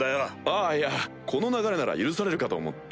あぁいやこの流れなら許されるかと思って。